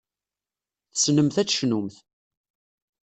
Tessnemt ad tecnumt.